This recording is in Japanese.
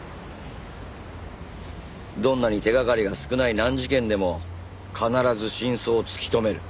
どんなに手がかりが少ない難事件でも必ず真相を突き止める。